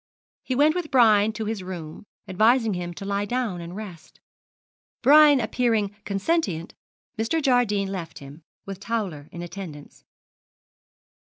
He went with Brian to his room, advising him to lie down and rest. Brian appearing consentient, Mr. Jardine left him, with Towler in attendance.